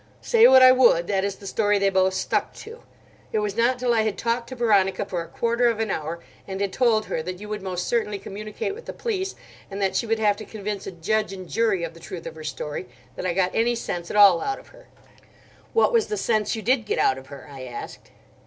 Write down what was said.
Say what I would, that is the story they both stuck to. It was not till I had talked to Veronica for a quarter of an hour, and had told her that you would most certainly communicate with the police, and that she would have to convince a judge and jury of the truth of her story, that I got any sense at all out of her." "What was the sense you did get out of her?" I asked.